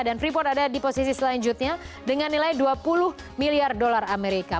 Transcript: dan freeport ada di posisi selanjutnya dengan nilai dua puluh miliar dolar amerika